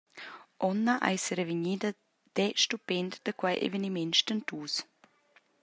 Onna ei serevegnida detg stupent da quei eveniment stentus.